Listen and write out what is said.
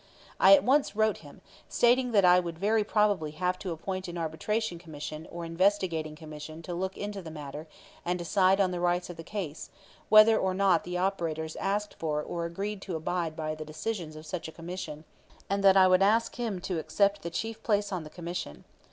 I at once wrote him, stating that I would very probably have to appoint an Arbitration Commission or Investigating Commission to look into the matter and decide on the rights of the case, whether or not the operators asked for or agreed to abide by the decisions of such a Commission; and that I would ask him to accept the chief place on the Commission.